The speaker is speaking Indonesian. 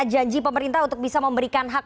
janji pemerintah untuk bisa memberikan hak